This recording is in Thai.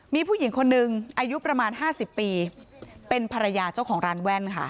มีผู้หญิงคนนึงอายุประมาณ๕๐ปีเป็นภรรยาเจ้าของร้านแว่นค่ะ